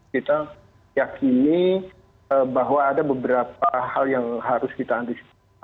kita yakini bahwa ada beberapa hal yang harus kita antisipasi